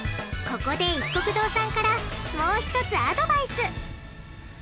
ここでいっこく堂さんからもう一つアドバイス！